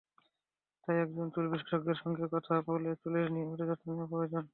তাই একজন চুল বিশেষজ্ঞের সঙ্গে কথা বলে চুলের নিয়মিত যত্ন নেওয়া প্রয়োজন।